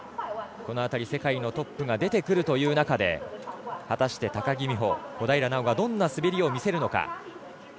この辺り世界のトップが出てくる中で果たして高木美帆、小平奈緒がどんな滑りを見せるのか。